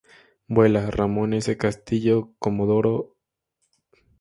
Vuelta: Ramon S. Castillo, Comodoro Py, Av.